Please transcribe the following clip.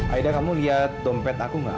aida kamu lihat dompet aku gak